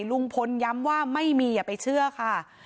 ลุงพลย้ำว่าไม่มีอย่าไปเชื่อค่ะ